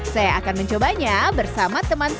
saya akan mencobanya bersama teman teman